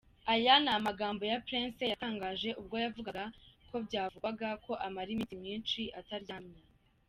Aya ni amagambo ya Prince yatangaje ubwo yavugaga kubyavugwaga ko amara iminsi myinshi ataryamye.